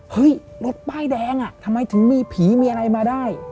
เฮ้ยรถป้ายแดงอ่ะทำไมถึงมีผีมีอะไรมาได้